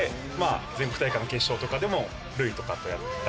全国大会の決勝とかでも塁とかとやったり。